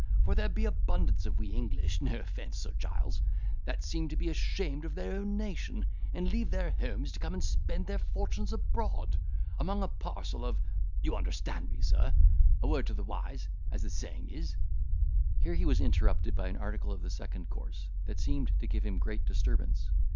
For there be abundance of we English—no offence, Sir Giles—that seem to be ashamed of their own nation, and leave their homes to come and spend their fortunes abroad, among a parcel of—you understand me, sir—a word to the wise, as the saying is."—Here he was interrupted by an article of the second course, that seemed to give him great disturbance.